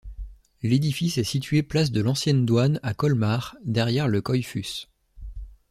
L'édifice est situé place de l'Ancienne-Douane à Colmar, derrière le Koïfhus.